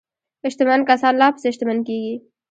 شتمن کسان لا پسې شتمن کیږي.